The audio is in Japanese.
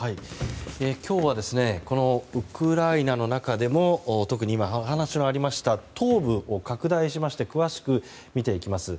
今日はウクライナの中でも特に今、お話のありました東部を拡大しまして詳しく見ていきます。